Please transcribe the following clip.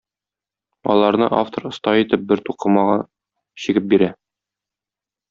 Аларны автор оста итеп бер тукымага чигеп бирә.